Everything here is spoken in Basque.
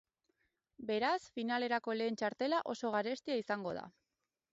Beraz, finalerako lehen txartela oso garestia izango da.